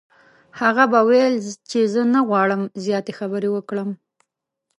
هغه به ویل چې زه نه غواړم زیاتې خبرې وکړم.